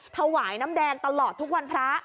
ถวายน้ำแดงตลอดทุกวันพระ